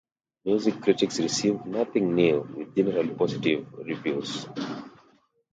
Music critics received "Nothing New" with generally positive reviews.